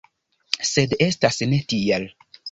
Sed estas ne tiel.